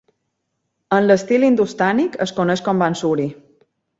En l'estil hindustànic, es coneix com Bansuri.